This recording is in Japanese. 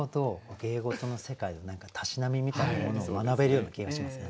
芸事の世界でたしなみみたいなものを学べるような気がしますね。